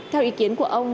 theo ý kiến của ông